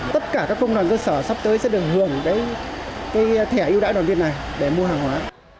tất cả các công đoàn cơ sở sắp tới sẽ được hưởng thẻ ưu đãi đoàn viên này để mua hàng hóa